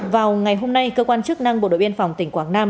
vào ngày hôm nay cơ quan chức năng bộ đội biên phòng tỉnh quảng nam